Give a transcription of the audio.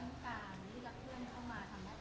และไปหวนการเข้ามาทำหน้าที่